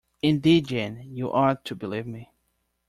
Indeed, Jane, you ought to believe me.